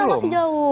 final masih jauh